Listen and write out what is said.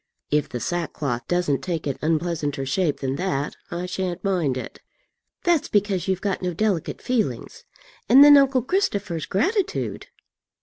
"If the sackcloth doesn't take an unpleasanter shape than that, I shan't mind it." "That's because you've got no delicate feelings. And then uncle Christopher's gratitude!"